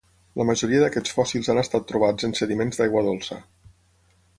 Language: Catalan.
La majoria d'aquests fòssils han estat trobats en sediments d'aigua dolça.